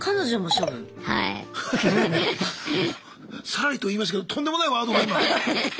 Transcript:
サラリと言いましたけどとんでもないワードが今！